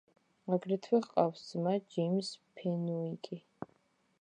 აგრეთვე ჰყავს ძმა, ჯეიმზ ფენუიკი.